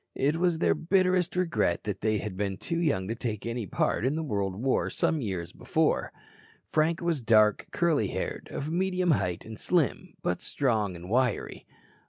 It was their bitterest regret that they had been too young to take any part in the World War some years before. Frank was dark, curly haired, of medium height and slim, but strong and wiry.